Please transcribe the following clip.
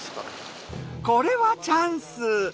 これはチャンス！